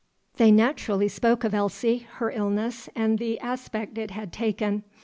They naturally spoke of Elsie, her illness, and the aspect it had taken.